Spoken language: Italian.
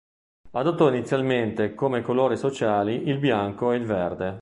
Adottò inizialmente come colori sociali il bianco e il verde.